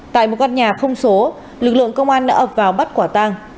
tại một con nhà không số lực lượng công an đã ập vào bắt quả tang